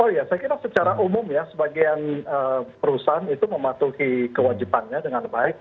oh ya saya kira secara umum ya sebagian perusahaan itu mematuhi kewajibannya dengan baik